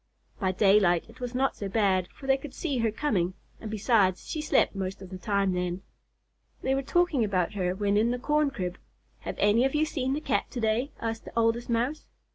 By daylight it was not so bad, for they could see her coming, and besides, she slept much of the time then. They were talking about her when in the corn crib. "Have any of you seen the Cat to day?" asked the Oldest Mouse.